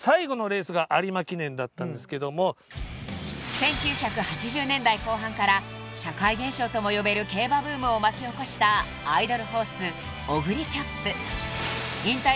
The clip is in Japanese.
［１９８０年代後半から社会現象とも呼べる競馬ブームを巻き起こしたアイドルホースオグリキャップ］